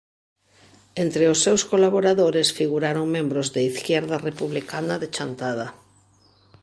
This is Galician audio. Entre os seus colaboradores figuraron membros de Izquierda Republicana de Chantada.